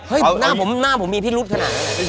เฮ้ยหน้าผมหน้าผมมีพี่รุกขนาดนั้นเลย